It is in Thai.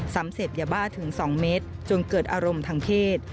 เสพยาบ้าถึง๒เมตรจนเกิดอารมณ์ทางเพศ